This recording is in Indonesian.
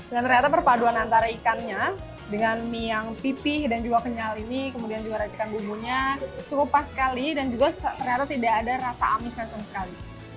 dan ternyata perpaduan antara ikannya dengan mie yang pipih dan juga kenyal ini kemudian juga racikan bumbunya cukup pas sekali dan juga ternyata tidak ada rasa amisnya sekali